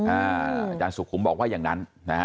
อาจารย์สุขุมบอกว่าอย่างนั้นนะฮะ